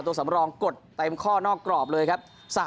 สำรองกดเต็มข้อนอกกรอบเลยครับ